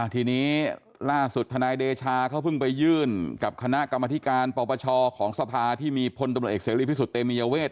ทีนี้ล่าสุดธนายเดชาเขาเพิ่งไปยื่นกับคณะกรรมธิการปปชของสภาที่มีพลตำรวจเอกเสรีพิสุทธิเตมียเวท